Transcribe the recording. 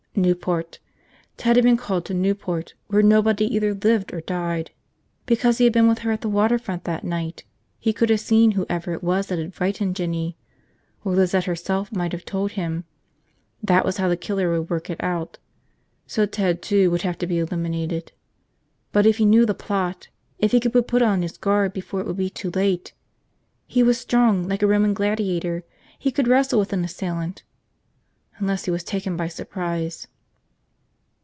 Newport. Ted had been called to Newport, where nobody either lived or died, because he had been with her at the water front that night, he could have seen whoever it was that had frightened Jinny. Or Lizette herself might have told him. That was how the killer would work it out. So Ted too would have to be eliminated. But if he knew the plot, if he could be put on his guard before it would be too late. .. he was so strong, like a Roman gladiator, he could wrestle with an assailant ... unless he was taken by surprise.